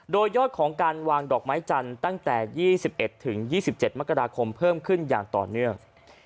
โดยยอดของการวางดอกไม้จันทร์ตั้งแต่๒๑๒๗มกราคมเพิ่มขึ้นอย่างต่อเนื่อง